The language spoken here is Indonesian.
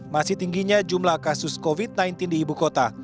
masih tingginya jumlah kasus covid sembilan belas di ibu kota